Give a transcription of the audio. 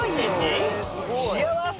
幸せ！